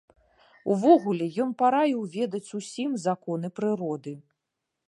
Увогуле, ён параіў ведаць усім законы прыроды.